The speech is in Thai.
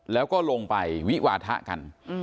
แล้วก็ลงไปวิวาทะกัน